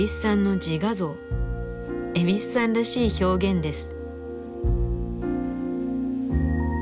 蛭子さんらしい表現です。